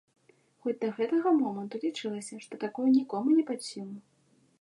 Хоць да гэтага моманту лічылася, што такое нікому не пад сілу.